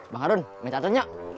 bang harun minta ternyok